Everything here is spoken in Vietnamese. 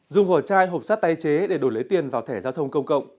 dùng vỏ chai hộp sắt tái chế để đổi lấy tiền vào thẻ giao thông công cộng